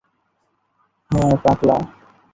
হ্যাঁঁ, পাগলা।